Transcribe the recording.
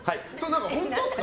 本当ですか？